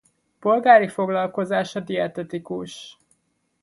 Polgári foglalkozása dietetikus.